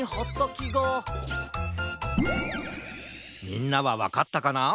みんなはわかったかな？